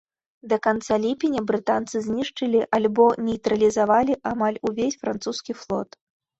Да канца ліпеня брытанцы знішчылі альбо нейтралізавалі амаль увесь французскі флот.